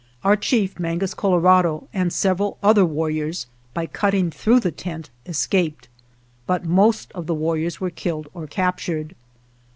Our chief, Mangus Colorado, and several other warriors, by cutting through the tent, escaped; but most of the warriors were killed or captured.